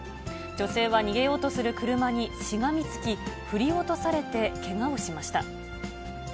女性は逃げようとする車にしがみつき、振り落とされて、けがをしました。